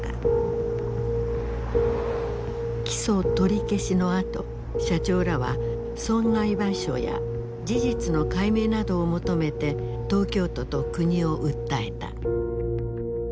起訴取り消しのあと社長らは損害賠償や事実の解明などを求めて東京都と国を訴えた。